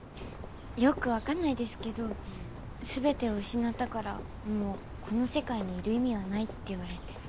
よく分かんないですけど「全てを失ったからもうこの世界にいる意味はない」って言われて。